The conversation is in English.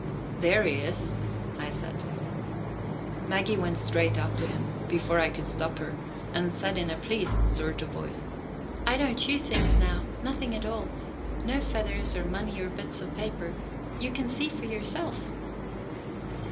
"There he is," I said. Maggie went straight up to him, before I could stop her, and said in a pleased sort of voice: "I don't chew things now nothing at all. No feathers or money or bits of paper you can see for yourself."